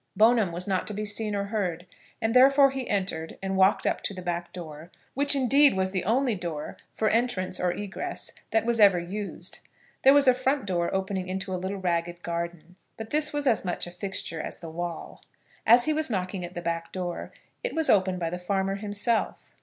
Bone'm was not to be seen or heard, and therefore he entered, and walked up to the back door, which indeed was the only door for entrance or egress that was ever used. There was a front door opening into a little ragged garden, but this was as much a fixture as the wall. As he was knocking at the back door, it was opened by the farmer himself.